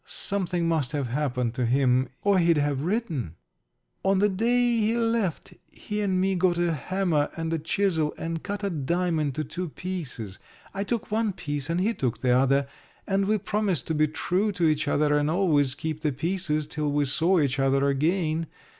Something must have happened to him or he'd have written. On the day he left, he and me got a hammer and a chisel and cut a dime into two pieces. I took one piece and he took the other, and we promised to be true to each other and always keep the pieces till we saw each other again.